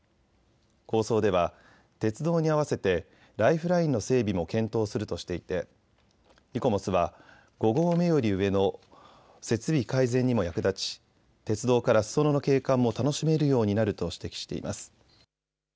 構想では鉄道に合わせてライフラインの整備も検討するとしていてイコモスは５合目より上の設備改善にも役立ち鉄道からすそ野の景観も楽しめるようになると指摘しています。